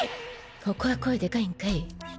ここは声でかいんかい。